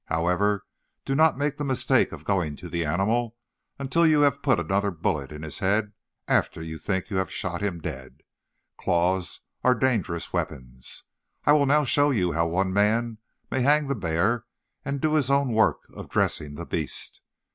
"However, do not make the mistake of going to the animal until you have put another bullet in his head after you think you have shot him dead. Claws are dangerous weapons. I will now show you how one man may hang the bear and do his own work of dressing the beast.